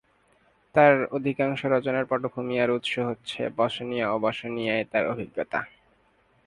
তার অধিকাংশ রচনার পটভূমি আর উৎস হচ্ছে বসনিয়া ও বসনিয়ায় তার অভিজ্ঞতা।